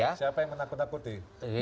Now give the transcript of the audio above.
siapa yang menakut takuti